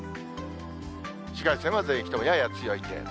紫外線は全域ともやや強い程度。